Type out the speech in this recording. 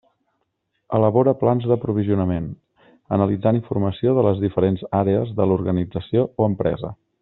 Elabora plans d'aprovisionament, analitzant informació de les diferents àrees de l'organització o empresa.